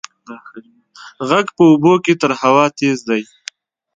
غږ په اوبو کې تر هوا تېز دی.